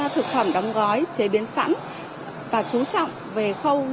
thực phẩm được